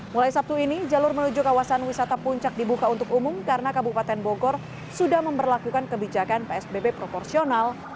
mulai sabtu ini jalur menuju kawasan wisata puncak dibuka untuk umum karena kabupaten bogor sudah memperlakukan kebijakan psbb proporsional